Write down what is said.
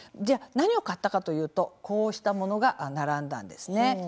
何を買ったかというとこうしたものが並んだんです。